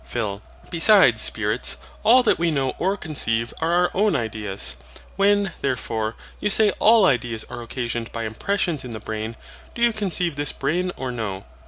PHIL. Besides spirits, all that we know or conceive are our own ideas. When, therefore, you say all ideas are occasioned by impressions in the brain, do you conceive this brain or no?